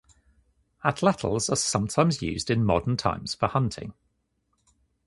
Atlatls are sometimes used in modern times for hunting.